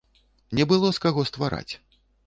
Не было з каго ствараць!